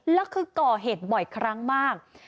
แล้วคือก่อเหตุบ่อยครั้งมาก